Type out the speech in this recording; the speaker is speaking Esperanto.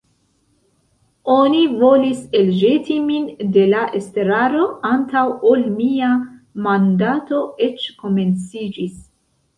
Oni volis elĵeti min de la estraro antaŭ ol mia mandato eĉ komenciĝis!